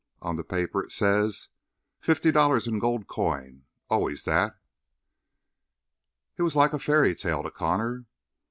On the paper it says: Fifty dollars in gold coin! Always that." It was like a fairy tale to Connor.